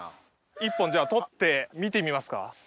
１本じゃあ取って見てみますか？